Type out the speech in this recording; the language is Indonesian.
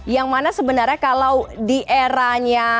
yang mana sebenarnya kalau di eranya